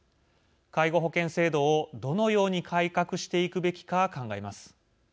介護保険制度をどのように改革していくべきか考えます。